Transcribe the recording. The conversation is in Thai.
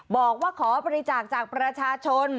บอกว่าขอบริจาคจากประชาชน